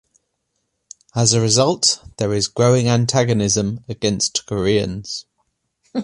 As a result, there is growing antagonism against Koreans.